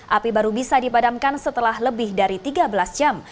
api baru bisa dipadamkan setelah lebih dari tiga belas jam